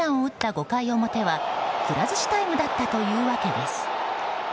５回表はくら寿司タイムだったというわけです。